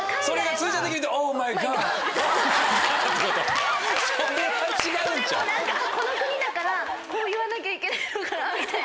それもこの国だからこう言わなきゃいけないのかなみたいな。